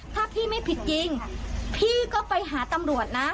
ถ้าพี่ไม่ผิดจริงพี่ก็ไปหาตำรวจนะ